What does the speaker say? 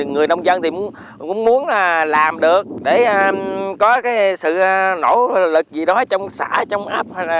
người nông dân cũng muốn làm được để có cái sự nỗ lực gì đó trong xã trong ấp